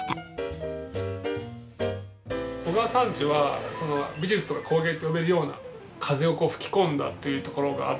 小川三知は美術とか工芸って呼べるような風を吹き込んだというところがあって。